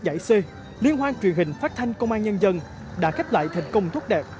tuy nhiên liên hoan truyền hình phát thanh công an nhân dân đã khép lại thành công thúc đẹp